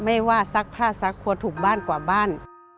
ไม่ว่าซักผ้าซักครัวถูกบ้านกว่าบ้าน